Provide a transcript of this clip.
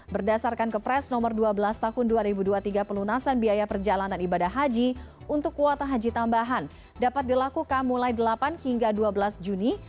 berdasarkan kepres nomor dua belas tahun dua ribu dua puluh tiga pelunasan biaya perjalanan ibadah haji untuk kuota haji tambahan dapat dilakukan mulai delapan hingga dua belas juni